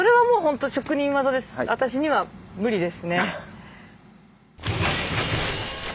私には無理ですね。